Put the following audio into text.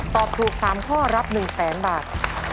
ตอบถูก๓ข้อรับ๑๐๐๐๐๐บาท